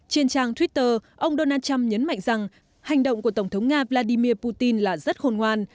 trên trang twitter ông donald trump nhấn mạnh rằng hành động của tổng thống nga vladimir putin là rất khôn ngoan